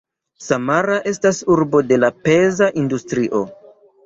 Samara estas urbo de la peza industrio.